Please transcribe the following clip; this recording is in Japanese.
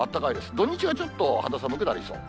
土日はちょっと肌寒くなりそう。